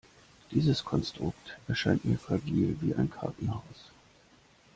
Dieses Konstrukt erscheint mir fragil wie ein Kartenhaus.